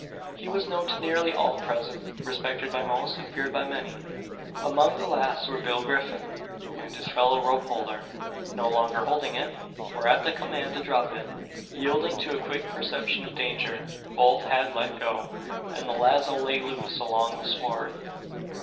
He was known to nearly all present; respected by most; and feared by many. Among the last were Bill Griffin, and his fellow rope holder. No longer holding it: for at the command to drop it, yielding to a quick perception of danger, both had let go; and the lazo lay loose along the sward.